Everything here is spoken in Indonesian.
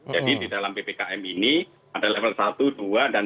jadi di dalam ppkm ini ada level satu dua dan tiga